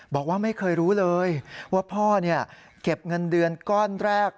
บอกว่าไม่เคยรู้เลยว่าพ่อเก็บเงินเดือนก้อนแรก